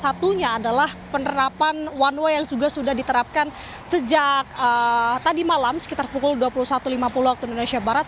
satunya adalah penerapan one way yang juga sudah diterapkan sejak tadi malam sekitar pukul dua puluh satu lima puluh waktu indonesia barat